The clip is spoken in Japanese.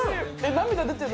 涙出てる？